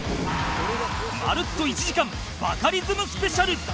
まるっと１時間バカリズムスペシャル